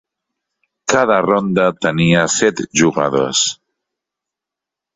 Cada ronda tenia set jugadors.